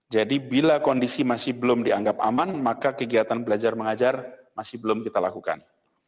jadi bila kondisi masih belum dianggap aman maka kegiatan belajar mengajar masih belum kita lakukan